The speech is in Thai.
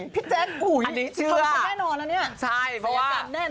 พี่แจ๊กกุ้ยทำได้แน่นอนนะนี้สัยกรรมอันนี้เชื่อ